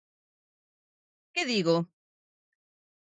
¿Que digo?